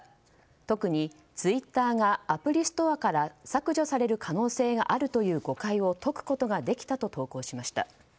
特にツイッターがアプリストアから削除される可能性があるという誤解を解くことができたと投稿しました。